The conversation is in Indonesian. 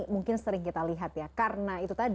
mungkin sering kita lihat ya